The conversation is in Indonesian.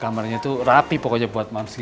kamarnya tuh rapi pokoknya buat mamski